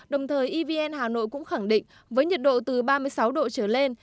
đồng thời evn hà nội cũng khẳng định với nhiệt độ từ ba mươi sáu độ trở lên